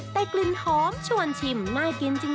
แต่กลิ่นหอมชวนชิมน่ากินจริง